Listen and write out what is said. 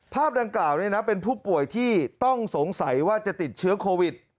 ภาพดังกล่าวเป็นผู้ป่วยที่ต้องสงสัยว่าจะติดเชื้อโควิด